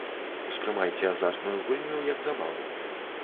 Успрымайце азартную гульню як забаву.